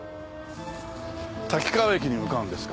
滝川駅に向かうんですか？